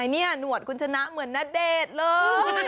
นี่หนวดคุณชนะเหมือนณเดชน์เลย